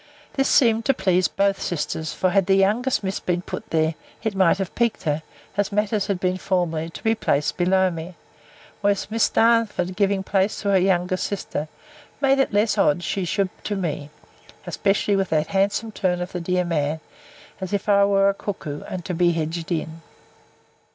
This seemed to please both sisters; for had the youngest miss been put there, it might have piqued her, as matters have been formerly, to be placed below me; whereas Miss Darnford giving place to her youngest sister, made it less odd she should to me; especially with that handsome turn of the dear man, as if I was a cuckow, and to be hedged in.